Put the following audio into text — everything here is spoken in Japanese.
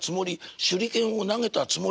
「手裏剣を投げたつもり」。